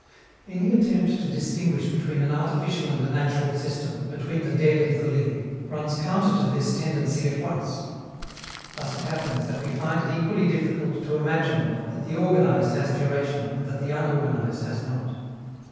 Any attempt to distinguish between an artificial and a natural system, between the dead and the living, runs counter to this tendency at once. Thus it happens that we find it equally difficult to imagine that the organized has duration and that the unorganized has not.